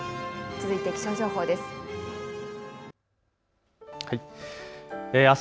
続いて気象情報です。